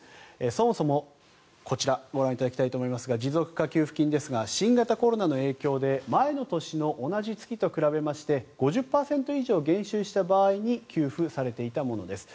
そもそも、こちらご覧いただきたいと思いますが持続化給付金ですが新型コロナの影響で前の年の同じ月と比べまして５０％以上減収した場合に給付されていたものです。